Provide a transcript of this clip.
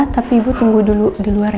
tapi ibu tunggu dulu di luar ya